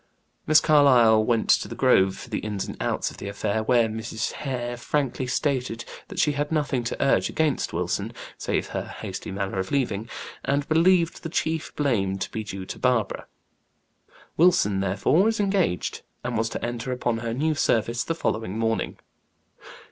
Miss Carlyle went to the Grove for the "ins and outs" of the affair, where Mrs. Hare frankly stated that she had nothing to urge against Wilson, save her hasty manner of leaving, and believed the chief blame to be due to Barbara. Wilson, therefore, was engaged, and was to enter upon her new service the following morning.